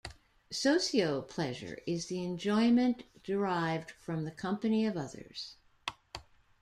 Socio-pleasure is the enjoyment derived from the company of others.